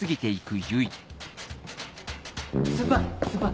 先輩先輩